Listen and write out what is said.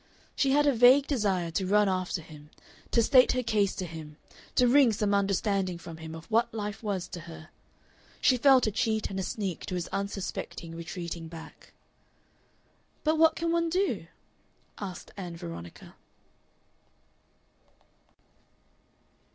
She had a vague desire to run after him, to state her case to him, to wring some understanding from him of what life was to her. She felt a cheat and a sneak to his unsuspecting retreating back. "But what can one do?" asked Ann Veronica.